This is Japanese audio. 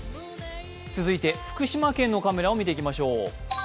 続いて福島県のカメラを見ていきましょう。